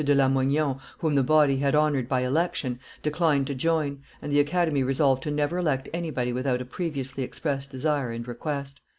de Lamoignon, whom the body had honored by election, declined to join, and the Academy resolved to never elect anybody without a previously expressed desire and request.